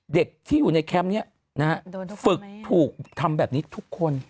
เด็กที่อยู่ในแคมป์นี้นะฮะฝึกถูกทำแบบนี้ทุกคน